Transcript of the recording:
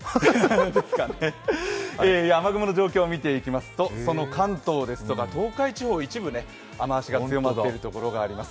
雨雲の状況を見てみますとその関東ですとか東海地方の一部で雨足が強まっているところがあります。